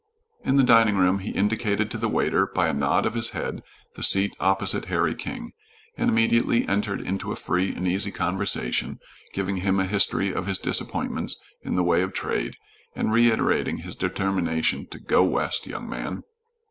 In the dining room he indicated to the waiter by a nod of his head the seat opposite Harry King, and immediately entered into a free and easy conversation, giving him a history of his disappointments in the way of trade, and reiterating his determination to "go west, young man."